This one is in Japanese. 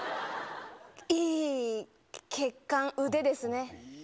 いい血管、腕ですね。